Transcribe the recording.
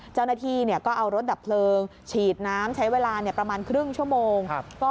เจ้าหน้าที่ก็เอารถดับเพลิงฉีดน้ำใช้เวลาประมาณครึ่งชั่วโมง